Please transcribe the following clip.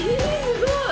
すごい！